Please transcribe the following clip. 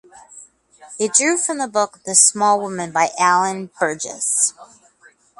It drew from the book "The Small Woman", by Alan Burgess.